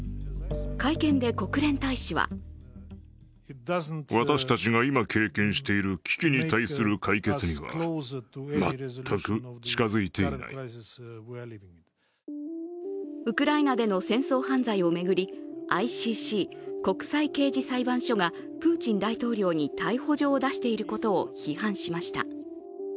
会見で国連大使はウクライナでの戦争犯罪を巡りＩＣＣ＝国際刑事裁判所がプーチン大統領に逮捕状を出していることを批判しました。